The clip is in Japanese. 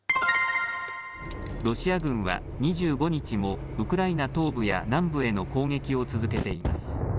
ロシア軍は２５日もウクライナ東部や南部への攻撃を続けています。